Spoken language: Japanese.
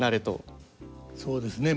そうですね。